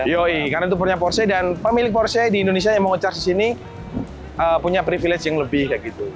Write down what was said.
iya karena itu punya porsche dan pemilik porsche di indonesia yang mau nge charge disini punya privilege yang lebih kayak gitu